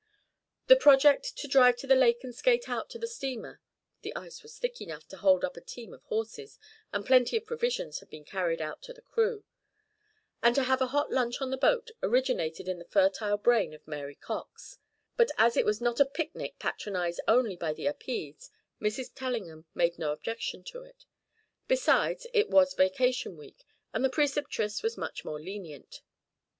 The project to drive to the lake and skate out to the steamer (the ice was thick enough to hold up a team of horses, and plenty of provisions had been carried out to the crew) and to have a hot lunch on the boat originated in the fertile brain of Mary Cox; but as it was not a picnic patronized only by the Upedes, Mrs. Tellingham made no objection to it. Besides, it was vacation week, and the Preceptress was much more lenient.